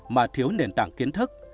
mà thiếu nền tảng kiến thức